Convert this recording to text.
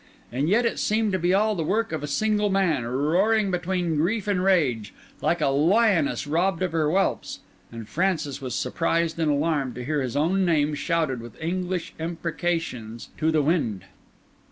And yet it seemed to be all the work of a single man, roaring between grief and rage, like a lioness robbed of her whelps; and Francis was surprised and alarmed to hear his own name shouted with English imprecations to the wind.